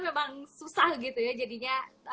memang susah gitu ya jadinya